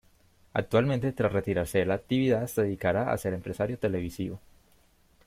Actualmente tras retirarse de la actividad se dedicará a ser empresario televisivo.